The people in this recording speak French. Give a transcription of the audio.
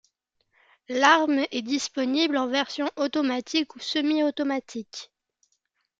L'arme est disponible en version automatique ou semi-automatique.